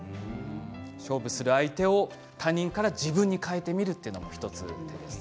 勝負する相手を他人から自分に変えるということですね。